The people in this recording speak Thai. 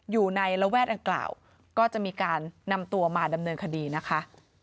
อยู่ในระแวดอังกล่าวก็จะมีการนำตัวมาดำเนินคดีนะคะ